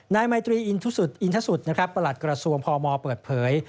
นายมัยตรีอินทรัสสุดประหลัดกระทรวงพมเปิดเผย